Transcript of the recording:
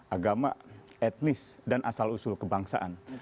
agama etnis dan asal usul kebangsaan